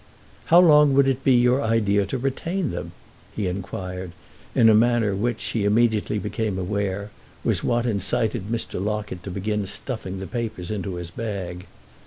"How long would it be your idea to retain them?" he inquired, in a manner which, he immediately became aware, was what incited Mr. Locket to begin stuffing the papers into his bag.